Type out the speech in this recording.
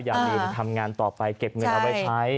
อย่าลืมทำงานต่อไปเก็บเงินเอาไว้ใช้